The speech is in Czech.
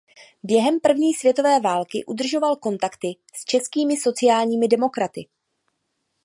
Během první světové války udržoval kontakty s českými sociálními demokraty.